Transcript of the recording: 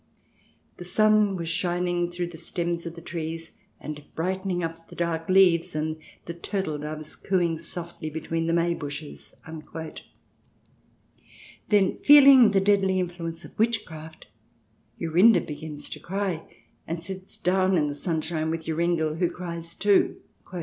The sun was shining through the stems of the trees, and brightening up the dark leaves, and the turtle doves cooing softly between the may bushes." Then, feeling the deadly influ ence of witchcraft, Jorinde begins to cry, and sits down in the sunshine with Joringel, who cries too.